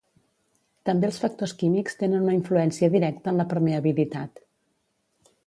També els factors químics tenen una influència directa en la permeabilitat.